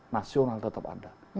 nasional tetap ada